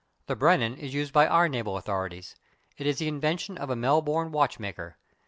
The Brennan is used by our naval authorities. It is the invention of a Melbourne watchmaker.